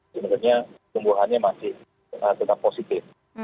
sebenarnya tumbuhannya masih tetap positif